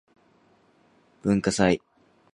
文化祭